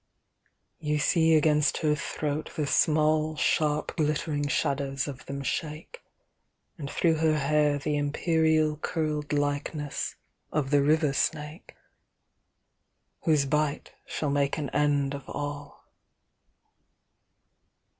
VI You see against her throat the small Sharp glittering shadows of them shake; And through her hair the imperial Curled likeness of the river snake, Whose bite shall make an end of all.